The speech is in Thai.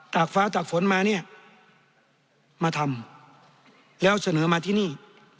กฟ้าตากฝนมาเนี่ยมาทำแล้วเสนอมาที่นี่